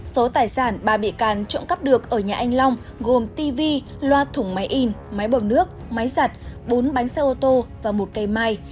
số tài sản ba bịa càn trộn cắp được ở nhà anh long gồm tv loa thủng máy in máy bồng nước máy giặt bốn bánh xe ô tô và một cây mai